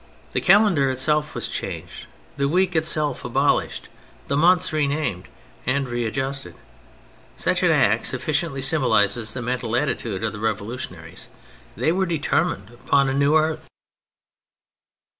The calendar itself was changed, the week itself abolished, the months re named and re adjusted. Such an act sufficiently symbolises the mental attitude of the Revolutionaries. They were determined upon a new earth.